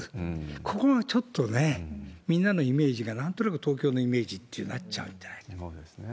ここがちょっとね、みんなのイメージがなんとなく東京のイメージってなっちゃうってそうですね。